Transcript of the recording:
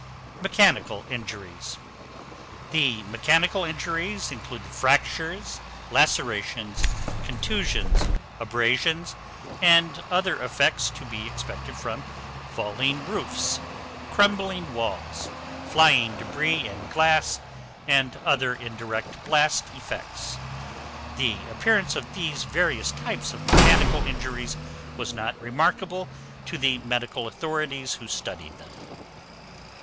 MECHANICAL INJURIES The mechanical injuries included fractures, lacerations, contusions, abrasions, and other effects to be expected from falling roofs, crumbling walls, flying debris and glass, and other indirect blast effects. The appearance of these various types of mechanical injuries was not remarkable to the medical authorities who studied them.